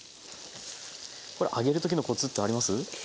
これ揚げる時のコツってあります？